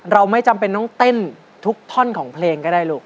เราไม่จำเป็นต้องเต้นทุกท่อนของเพลงก็ได้ลูก